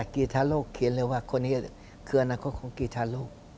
คืออาณาคมของกีธารก